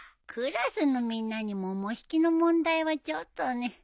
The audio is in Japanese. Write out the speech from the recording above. クラスのみんなにももひきの問題はちょっとね。